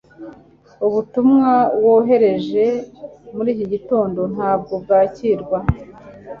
ubutumwa wohereje muri iki gitondo ntabwo bwakirwa